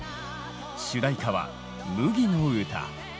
主題歌は「麦の唄」。